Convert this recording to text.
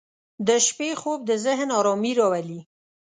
• د شپې خوب د ذهن آرامي راولي.